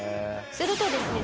するとですね